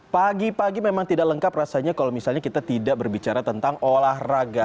pagi pagi memang tidak lengkap rasanya kalau misalnya kita tidak berbicara tentang olahraga